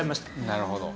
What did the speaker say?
なるほど。